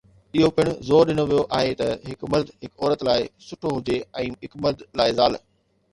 اهو پڻ زور ڏنو ويو آهي ته هڪ مرد هڪ عورت لاء سٺو هجي ۽ هڪ مرد لاء زال.